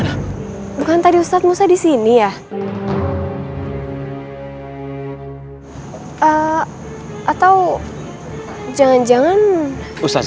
enggak enggak ada siapa siapa ustadz